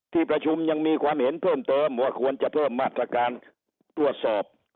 ที่ประชุมยังมีความเห็นเพิ่มเติมว่าควรจะเพิ่มมาตรการตรวจสอบ